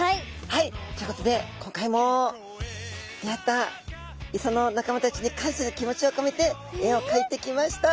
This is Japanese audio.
はいということで今回も出会った磯の仲間たちに感謝の気持ちをこめて絵をかいてきました。